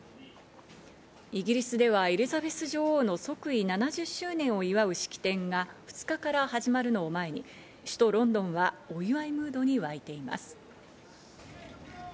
イギリスではエリザベス女王の即位７０周年を祝う式典が２日から始まるのを前に、首都ロンドンはお祝いムードにわいています。